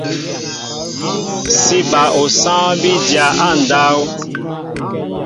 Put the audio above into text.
Sí bal osááŋ bí dya á ndáw.